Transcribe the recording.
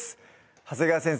長谷川先生